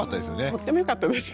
とってもよかったです。